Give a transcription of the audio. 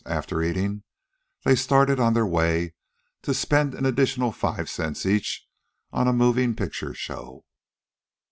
After eating, they started on their way to spend an additional five cents each on a moving picture show.